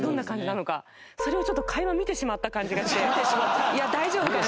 それをちょっと垣間見てしまった感じがして大丈夫かな